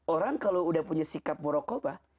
orang kalau udah punya sikap murokobah